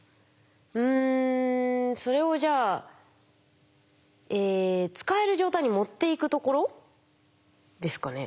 うんそれをじゃあえ使える状態に持っていくところですかね？